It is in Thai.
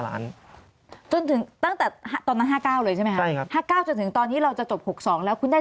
ล้านจนถึงตั้งแต่ตอนนั้น๕๙เลยใช่ไหมคะใช่ครับ๕๙จนถึงตอนนี้เราจะจบ๖๒แล้วคุณได้